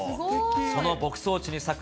その牧草地に咲く